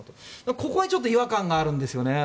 ここはちょっと違和感があるんですよね。